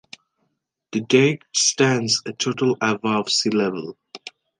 The deck stands a total above sea level.